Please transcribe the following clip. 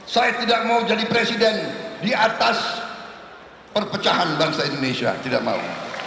saya tidak mau jadi presiden di atas perpecahan bangsa indonesia tidak mau